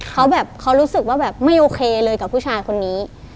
เขาแบบเขารู้สึกว่าแบบไม่โอเคเลยกับผู้ชายคนนี้